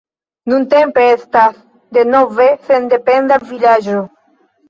Nuntempe estas denove sendependa vilaĝo.